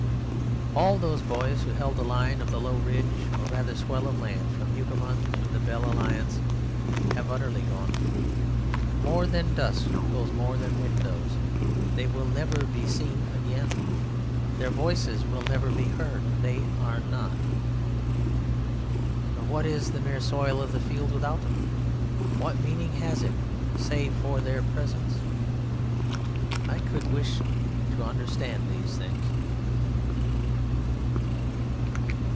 All those boys who held the line of the low ridge or rather swell of land from Hougoumont through the Belle Alliance have utterly gone. More than dust goes, more than wind goes; they will never be seen again. Their voices will never be heard they are not. But what is the mere soil of the field without them? What meaning has it save for their presence? I could wish to understand these things.